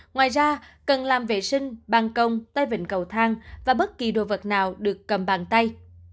ngoài ra cần làm vệ sinh bàn công tay vịnh cầu thang và bất kỳ đồ vật nào được cầm bàn tay